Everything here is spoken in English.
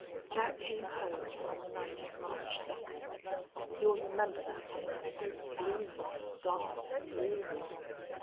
"Jack came home on the night of March second. You'll remember that day, so gloomy and dark and dreary.